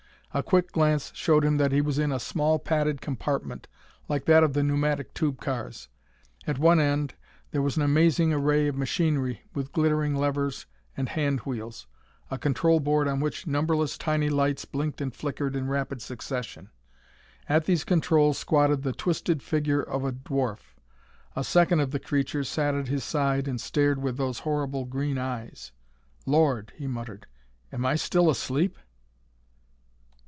A quick glance showed him that he was in a small padded compartment like that of the pneumatic tube cars. At one end there was an amazing array of machinery with glittering levers and handwheels a control board on which numberless tiny lights blinked and flickered in rapid succession. At these controls squatted the twisted figure of a dwarf. A second of the creatures sat at his side and stared with those horrible green eyes. "Lord!" he muttered. "Am I still asleep?"